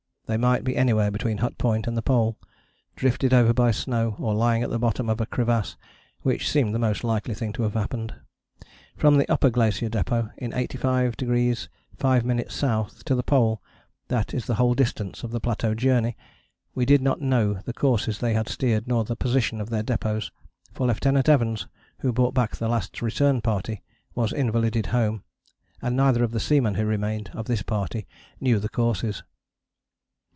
They might be anywhere between Hut Point and the Pole, drifted over by snow, or lying at the bottom of a crevasse, which seemed the most likely thing to have happened. From the Upper Glacier Depôt in 85° 5´ S. to the Pole, that is the whole distance of the Plateau Journey, we did not know the courses they had steered nor the position of their depôts, for Lieutenant Evans, who brought back the Last Return Party, was invalided home and neither of the seamen who remained of this party knew the courses.